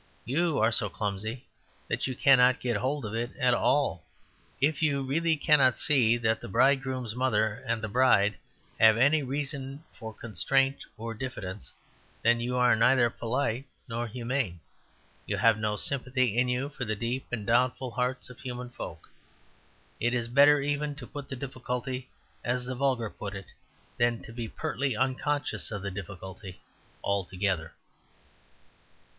You are so clumsy that you cannot get hold of it at all. If you really cannot see that the bridegroom's mother and the bride have any reason for constraint or diffidence, then you are neither polite nor humane: you have no sympathy in you for the deep and doubtful hearts of human folk." It is better even to put the difficulty as the vulgar put it than to be pertly unconscious of the difficulty altogether.